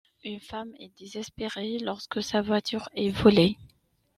Une femme est désespérée lorsque sa voiture est volée.